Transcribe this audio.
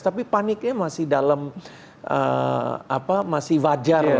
tapi paniknya masih dalam apa masih wajar